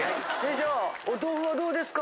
師匠お豆腐はどうですか？